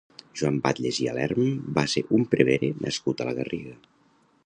Joan Batlles i Alerm va ser un prevere nascut a la Garriga.